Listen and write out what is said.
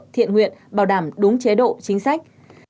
thiện nguyện bảo đảm đúng chế độ chính sách